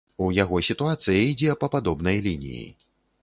У яго сітуацыя ідзе па падобнай лініі.